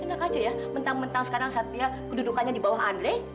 enak aja ya mentang mentang sekarang saatnya kedudukannya di bawah andre